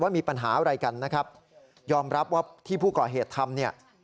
มีปัญหาอะไรกันนะครับยอมรับว่าที่ผู้ก่อเหตุทำเนี่ย